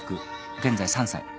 現在３歳。